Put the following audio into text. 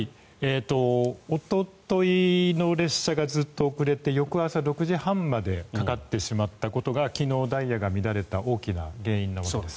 おとといの列車がずっと遅れて翌朝６時半までかかってしまったことが昨日ダイヤが乱れた大きな原因なわけです。